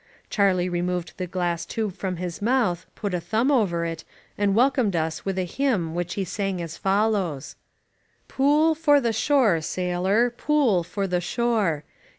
Charlie removed the glass tube from his mouth, put a thumb over it, and welcomed us with a hymn which he sang as follows: Pooll for the shore, sail&Ty PooU for the shore!